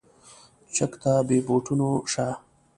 چک ته بې بوټونو شه.